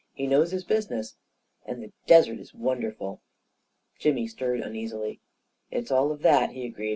"He knows his business." " And the desert is wonderful." Jimmy stirred uneasily. " It's all of that," he agreed.